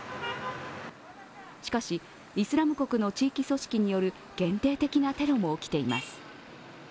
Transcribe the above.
しかし、イスラム国の地域組織による限定的なテロも起きています。